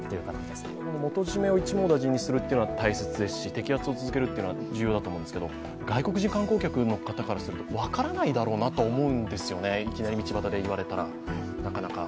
元締めを一網打尽にするのは大切ですし摘発を続けるのは重要だと思うんですけど、外国人観光客の方からすると分からないだろうなと思うんですよね、いきなり道端で言われたら、なかなか。